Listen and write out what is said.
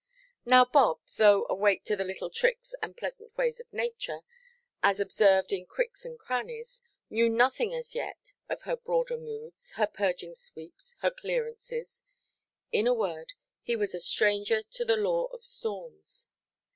Now, Bob, though awake to the little tricks and pleasant ways of Nature, as observed in cricks and crannies, knew nothing as yet of her broader moods, her purging sweeps, her clearances,—in a word, he was a stranger to the law of storms.